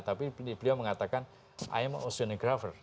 tapi beliau mengatakan i am an oceanographer